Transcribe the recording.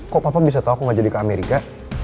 kok papa bisa tau aku gak jadi ke amerika